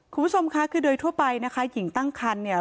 คุณผู้ชมค่ะคือโดยทั่วไปนะคะหญิงตั้งคันเนี่ย